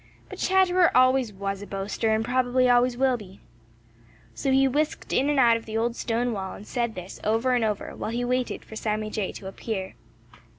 But Chatterer always was a boaster and probably always will be. So he whisked in and out of the old stone wall and said this over and over, while he waited for Sammy Jay to appear.